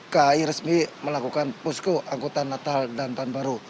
kai resmi melakukan posko angkutan natal dan tahun baru